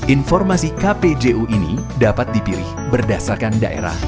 informasi kpju ini dapat dipilih berdasarkan daerah